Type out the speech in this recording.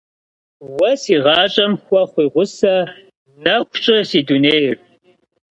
Уэ си гъащӏэм хуэхъуи гъусэ, нэху щӏы си дунейр.